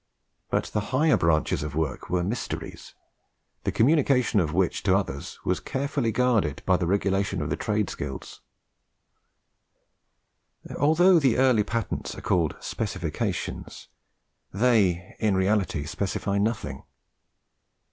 But the higher branches of work were mysteries, the communication of which to others was carefully guarded by the regulations of the trades guilds. Although the early patents are called specifications, they in reality specify nothing.